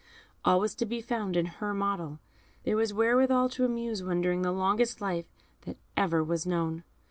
All was to be found in her model. There was wherewithal to amuse one during the longest life that ever was known.